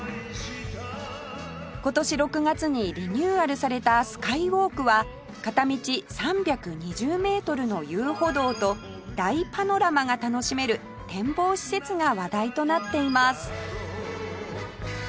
今年６月にリニューアルされたスカイウォークは片道３２０メートルの遊歩道と大パノラマが楽しめる展望施設が話題となっています